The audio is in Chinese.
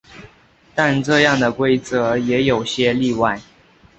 但这样的规则也有些例外。